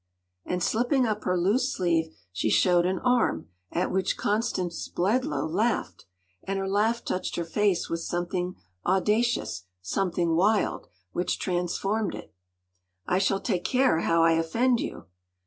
” And slipping up her loose sleeve, she showed an arm, at which Constance Bledlow laughed. And her laugh touched her face with something audacious—something wild—which transformed it. “I shall take care how I offend you!